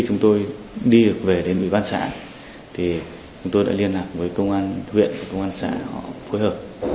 nhưng khi chúng tôi về đến đội văn xã chúng tôi liên lạc với công an huyện công an xã hội phối hợp